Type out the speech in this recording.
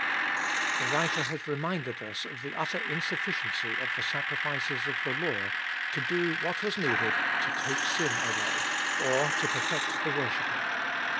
THE writer has reminded us of the utter insufficiency of the sacri fices of the law to do what was needed to take sin away, or to perfect the worshipper.